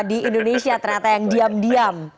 di indonesia ternyata yang diam diam